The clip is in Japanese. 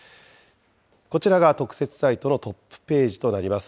こちらが特設サイトのトップページとなります。